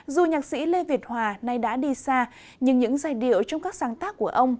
dù nhạc sĩ lê việt hòa nay đã đi xa nhưng những giai điệu trong các sáng tác của ông